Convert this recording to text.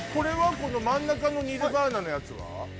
この真ん中のニルヴァーナのやつは？